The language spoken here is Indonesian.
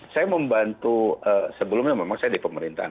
saya membantu sebelumnya memang saya di pemerintahan